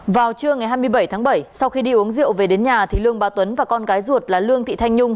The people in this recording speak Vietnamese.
vào trưa ngày hai mươi bảy tháng bảy sau khi đi uống rượu về đến nhà thì lương bà tuấn và con gái ruột là lương thị thanh nhung